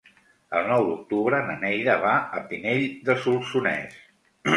El nou d'octubre na Neida va a Pinell de Solsonès.